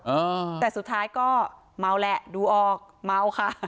อ่าแต่สุดท้ายก็เมาแหละดูออกเมาค่ะ